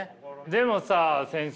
でもさ先生。